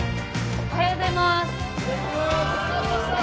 おはようございます。